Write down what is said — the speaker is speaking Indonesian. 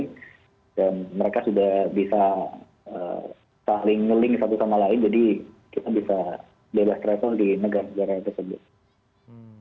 dan mereka sudah bisa saling meling satu sama lain jadi kita bisa bebas travel di negara negara tersebut